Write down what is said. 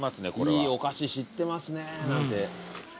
「いいお菓子知ってますね」なんて。